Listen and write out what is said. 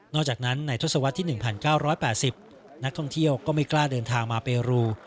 อกจากนั้นในทศวรรษที่๑๙๘๐นักท่องเที่ยวก็ไม่กล้าเดินทางมาเปรู